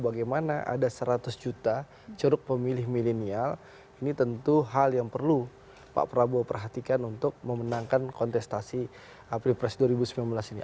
bagaimana ada seratus juta ceruk pemilih milenial ini tentu hal yang perlu pak prabowo perhatikan untuk memenangkan kontestasi pilpres dua ribu sembilan belas ini